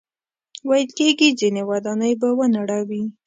ویل کېږي ځینې ودانۍ به ونړوي.